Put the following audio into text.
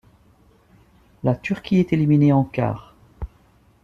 La Turquie est éliminée en quarts.